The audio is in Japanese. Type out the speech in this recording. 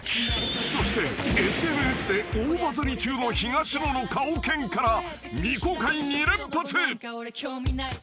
［そしてＳＮＳで大バズリ中の東野の顔犬から未公開２連発］